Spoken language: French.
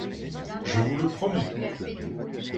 Je vous le promets !